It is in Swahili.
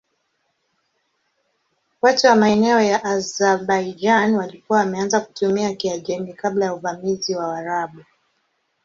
Watu wa maeneo ya Azerbaijan walikuwa wameanza kutumia Kiajemi kabla ya uvamizi wa Waarabu.